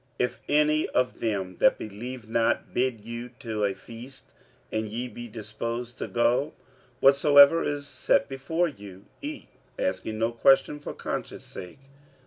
46:010:027 If any of them that believe not bid you to a feast, and ye be disposed to go; whatsoever is set before you, eat, asking no question for conscience sake.